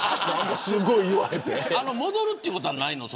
戻るということはないの。